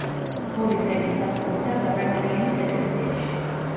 ორი წელი მსახურობდა ვარაკლიანის ეკლესიაში.